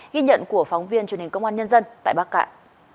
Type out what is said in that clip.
ghi nhận của phóng viên truyền hình công an nhân dân tại bắc cạn